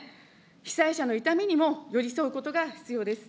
被災者の痛みにも寄り添うことが必要です。